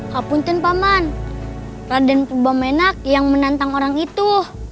hapunten paman raden purwamena yang menantang orang itu